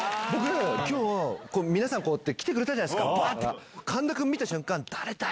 今日皆さん来てくれたじゃないですか。